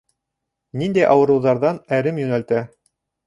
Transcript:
Ниндәй ауырыуҙарҙан әрем йүнәлтә?